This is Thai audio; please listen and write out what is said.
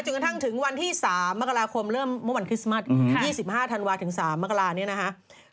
กระทั่งถึงวันที่๓มกราคมเริ่มเมื่อวันคริสต์มัส๒๕ธันวาคถึง๓มกราเนี่ยนะฮะ